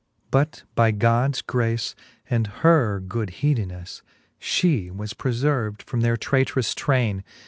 But by Gods grace, and her good heedineflfe. She was preferved from their traytrous traine.